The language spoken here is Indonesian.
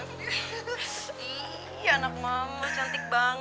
ih anak mama cantik banget sih